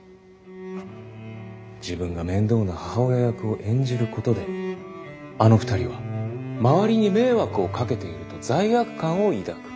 自分が面倒な母親役を演じることであの２人は周りに迷惑をかけていると罪悪感を抱く。